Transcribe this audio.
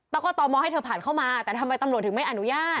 แล้วก็ตมให้เธอผ่านเข้ามาแต่ทำไมตำรวจถึงไม่อนุญาต